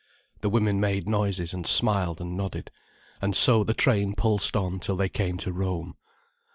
The women made noises, and smiled and nodded, and so the train pulsed on till they came to Rome.